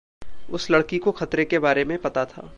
उस लड़की को खतरे के बारे में पता था।